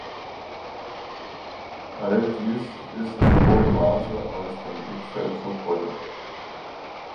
All dies ist in hohem Maße aus dem Blickfeld verschwunden.